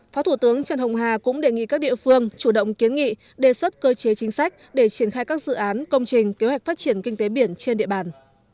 phó thủ tướng trần hồng hà cũng đề nghị các địa phương chủ động kiến nghị đề xuất cơ chế chính sách để triển khai các dự án công trình kế hoạch phát triển kinh tế biển trên địa bàn